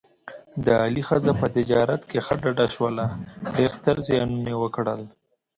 د علي ښځه په تجارت کې ښه ډډه شوله، ډېر ستر زیانونه یې وکړل.